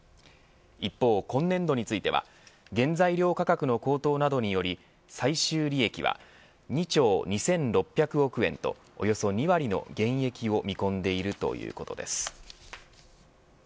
一方、今年度については原材料価格の高騰などにより最終利益は２兆２６００億円とおよそ２割の減益を見込んでいるということです。